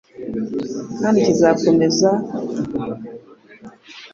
kandi kizakomeza kuyikoreramo mu bihugu byose kandi uko ibihe bihaye ibindi.